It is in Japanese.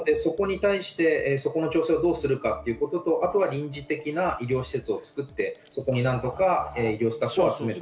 そこの調整をどうするかということと、あとは臨時的な医療施設を作ってそこに何とか医療スタッフを集める。